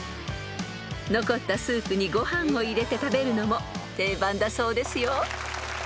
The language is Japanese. ［残ったスープにご飯を入れて食べるのも定番だそうですよ］